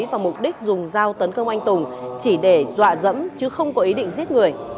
và mục đích dùng dao tấn công anh tùng chỉ để dọa dẫm chứ không có ý định giết người